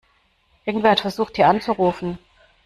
Irgendwer hat versucht, hier anzurufen.